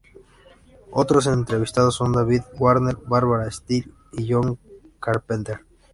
Otros entrevistados son David Warner, Barbara Steele y John Carpenter.